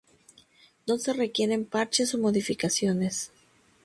No se requieren parches o modificaciones.